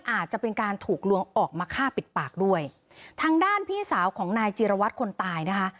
อาจจะเป็นการถูกลวงออกมาฆ่าปิดปากด้วยทางด้านพี่สาวของนายจีรวัตรคนตายนะคะ